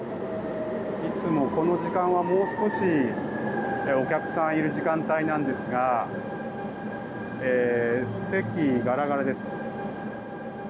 いつもこの時間はもう少しお客さんいる時間帯なんですが席、ガラガラです。